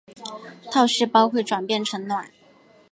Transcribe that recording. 套细胞会转变成卵。